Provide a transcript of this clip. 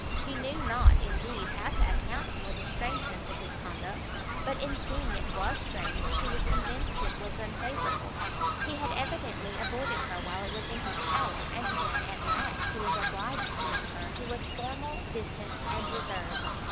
She knew not, indeed, how to account for the strangeness of his conduct; but in seeing it was strange, she was convinced it was unfavourable; he had evidently avoided her while it was in his power, and when, at last, he was obliged to meet her, he was formal, distant, and reserved.